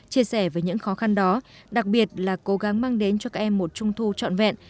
chia sẻ với những khó khăn đó đặc biệt là cố gắng mang đến cho các em một trung thu trọn vẹn